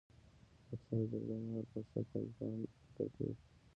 اکثره جګړه مار فرصت طلبان فکر کوي.